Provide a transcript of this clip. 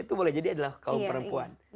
itu boleh jadi adalah kaum perempuan